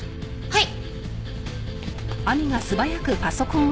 はい！